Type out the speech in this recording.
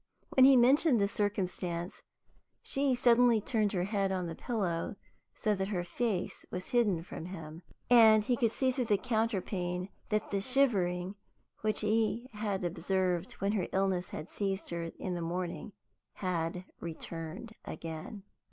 When he mentioned this circumstance, she suddenly turned her head on the pillow so that her face was hidden from him, and he could see through the counterpane that the shivering, which he had observed when her illness had seized her in the morning, had returned again.